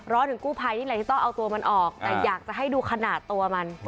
ถึงกู้ภัยนี่แหละที่ต้องเอาตัวมันออกแต่อยากจะให้ดูขนาดตัวมัน